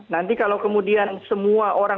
nanti kalau kemudian semua orang